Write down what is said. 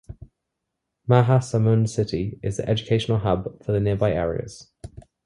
Mahasamund City is the educational hub for the nearby areas.